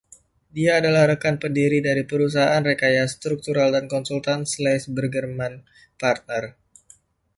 Dia adalah rekan pendiri dari perusahaan rekayasa struktural dan konsultan schlaich bergermann partner.